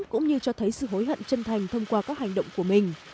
cũng như cho thấy sự hối hận chân thành thông qua các hành động của mình